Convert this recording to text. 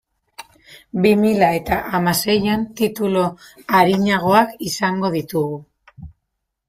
Bi mila eta hamaseian titulu arinagoak izango ditugu.